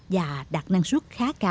và đạt năng suất